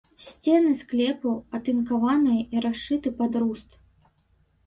Сцены склепу атынкаваныя і расшыты пад руст.